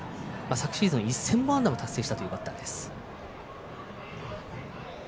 昨シーズンは１０００本安打も達成したバッターです。